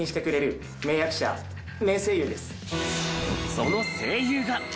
その声優が。